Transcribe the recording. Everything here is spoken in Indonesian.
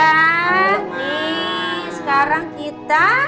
nih sekarang kita